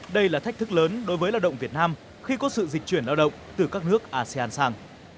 đây là thách thức lớn đối với lao động việt nam khi có sự dịch chuyển lao động từ các nước asean sang